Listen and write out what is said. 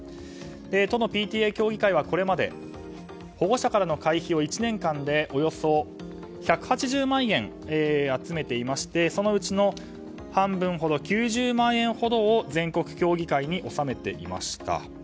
都のＰＴＡ協議会はこれまで保護者からの会費を１年間でおよそ１８０万円集めていましてそのうちの半分ほど９０万円ほどを全国協議会に納めていました。